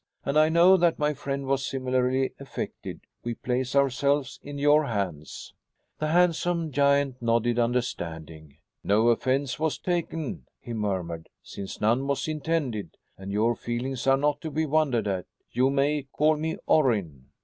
And I know that my friend was similarly affected We place ourselves in your hands." The handsome giant nodded understanding. "No offense was taken," he murmured, "since none was intended. And your feelings are not to be wondered at. You may call me Orrin."